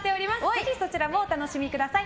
ぜひそちらもお楽しみください。